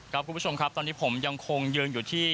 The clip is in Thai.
คุณผู้ชมครับตอนนี้ผมยังคงยืนอยู่ที่